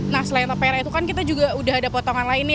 nah selain tapera itu kan kita juga udah ada potongan lainnya